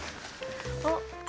あっ。